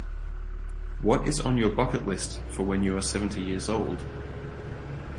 What is on your bucket list for when you are seventy years old?